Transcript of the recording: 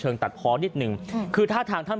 เชิงตัดพอนิดนึงคือท่าทางท่าน